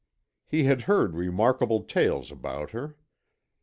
He had heard remarkable tales about her.